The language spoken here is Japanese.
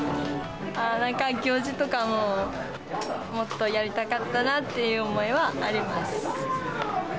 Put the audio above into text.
なんか行事とかも、もっとやりたかったなっていう思いはあります。